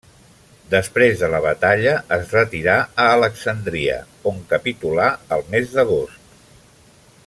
Després de la batalla es retirà a Alexandria on capitulà el mes d'agost.